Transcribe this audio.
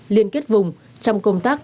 liên kết vùng trong công tác